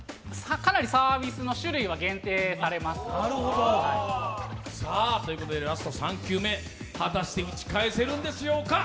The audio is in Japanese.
かなりサービスの種類は限定されます。ということでラスト３球目、果たして打ち返せるんでしょうか。